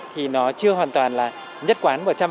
thì nó chưa hoàn toàn là nhất quán một trăm linh